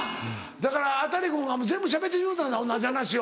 だから中君が全部しゃべってしもうたんだ同じ話を。